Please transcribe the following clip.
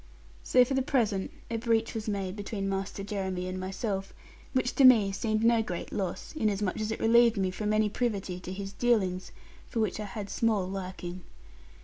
So for the present a breach was made between Master Jeremy and myself, which to me seemed no great loss, inasmuch as it relieved me from any privity to his dealings, for which I had small liking.